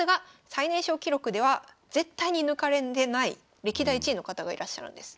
最年少記録では絶対に抜かれない歴代１位の方がいらっしゃるんです。